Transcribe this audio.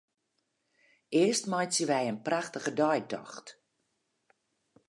Earst meitsje wy in prachtige deitocht.